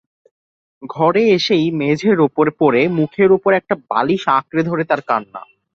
ঘরে এসেই মেঝের উপর পড়ে মুখের উপর একটা বালিশ আঁকড়ে ধরে তার কান্না।